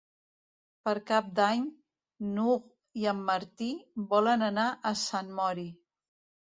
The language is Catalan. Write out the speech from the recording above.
Per Cap d'Any n'Hug i en Martí volen anar a Sant Mori.